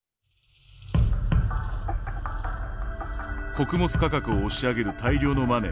穀物価格を押し上げる大量のマネー。